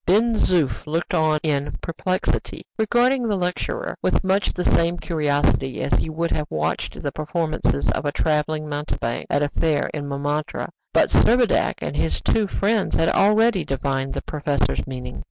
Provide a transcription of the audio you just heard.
Ben Zoof looked on in perplexity, regarding the lecturer with much the same curiosity as he would have watched the performances of a traveling mountebank at a fair in Montmartre; but Servadac and his two friends had already divined the professor's meaning.